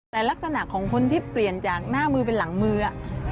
แต่ลักษณะของคนที่เปลี่ยนจากหน้ามือเป็นหลังมือ